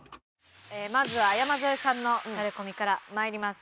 まずは山添さんのタレコミからまいります。